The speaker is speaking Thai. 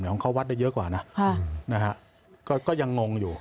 ของเขาวัดได้เยอะกว่านะก็ยังงงอยู่